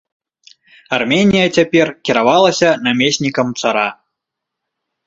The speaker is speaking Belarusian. Арменія цяпер кіравалася намеснікам цара.